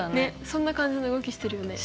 そんな感じの動きしてるよね。